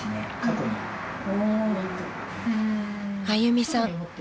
［あゆみさん